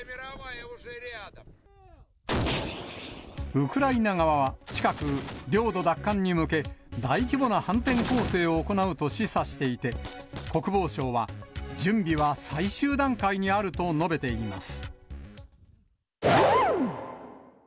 ウクライナ側は近く、領土奪還に向け、大規模な反転攻勢を行うと示唆していて、国防省は、準備は最終段階にあると述べています。